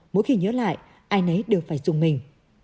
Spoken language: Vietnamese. mỗi khi nhớ lại ai nấy đều phải dùng mình